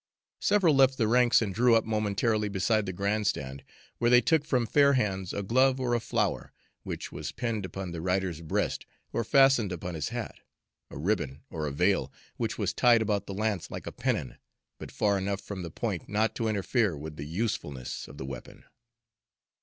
Several left the ranks and drew up momentarily beside the grand stand, where they took from fair hands a glove or a flower, which was pinned upon the rider's breast or fastened upon his hat a ribbon or a veil, which was tied about the lance like a pennon, but far enough from the point not to interfere with the usefulness of the weapon.